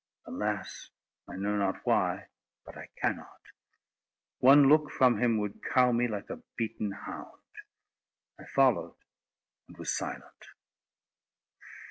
Alas! I know not why, but I cannot. One look from him would cow me like a beaten hound." I followed, and was silent.